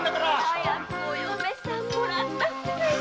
早くお嫁さんもらった方がいいわよ。